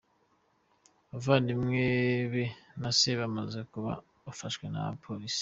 Abavandimwe be na se bamaze kuba bafashwe na Polisi.